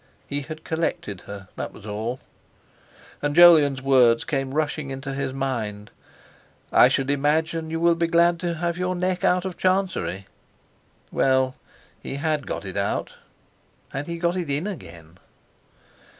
He had collected her—that was all! And Jolyon's words came rushing into his mind: "I should imagine you will be glad to have your neck out of chancery." Well, he had got it out! Had he got it in again?